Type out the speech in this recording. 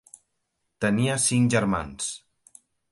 Tenia cinc germans.